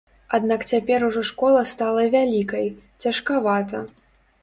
Аднак цяпер ужо школа стала вялікай, цяжкавата.